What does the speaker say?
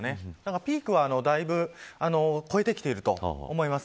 ピークは、だいぶ超えてきていると思います。